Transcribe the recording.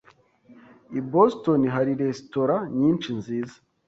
I Boston hari resitora nyinshi nziza.